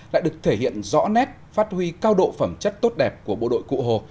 lại được thể hiện rõ nét phát huy cao độ phẩm chất tốt đẹp của bộ đội cụ hồ